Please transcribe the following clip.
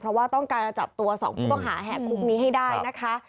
เพราะว่าต้องการจะจับตัว๒ผู้ต้องหาแหกคุกนี้ให้ได้นะคะ